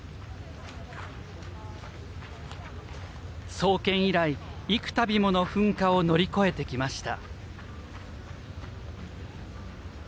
創建以来、幾たびもの噴火を乗り越えてきました。